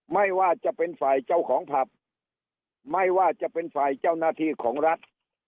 ไม่ว่าจะเป็นฝ่ายเจ้าของผับไม่ว่าจะเป็นฝ่ายเจ้าหน้าที่ของรัฐ